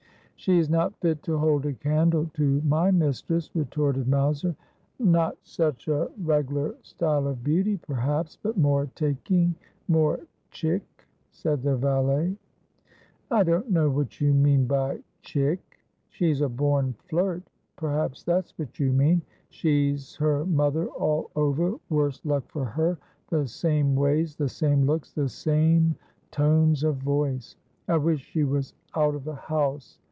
She's not fit to hold a candle to my mistress,' retorted Mowser. ' Not such a reg'lar style of beauty, perhaps, but more taking, more " chick," ' said the valet. ' I don't know what you mean by " chick." She's a born flirt. Perhaps that's what you mean. She's her mother all over, worse luck for her ! the same ways, the same looks, the same tones of voice. I wish she was out of the house.